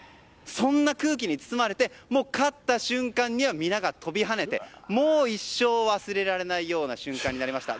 そんな空気に包まれて勝った瞬間には皆が飛び跳ねてもう一生忘れられないような瞬間になりました。